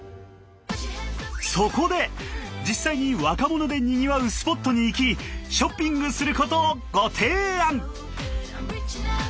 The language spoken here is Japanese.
実際に若者でにぎわうスポットに行きショッピングすることをご提案！